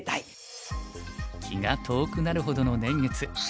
気が遠くなるほどの年月。